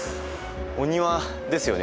お庭ですよね？